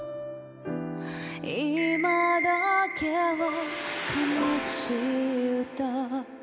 今だけは悲しい歌